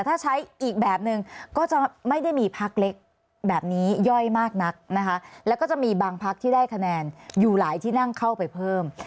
ถ้าใช้อีกแบบนึงก็จะไม่ได้มีพักเล็กแบบนี้ย่อยมากนักนะคะแล้วก็จะมีบางพักที่ได้คะแนนอยู่หลายที่นั่งเข้าไปเพิ่ม